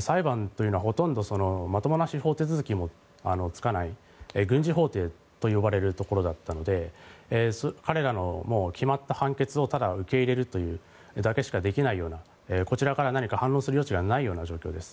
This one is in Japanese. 裁判というのはほとんどまともな司法手続きもつかない、軍事法廷と呼ばれるところだったので彼らの決まった判決をただ受け入れるというだけしかできないようなこちらから何か反論する余地がないような状況です。